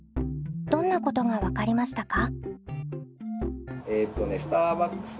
どんなことが分かりましたか？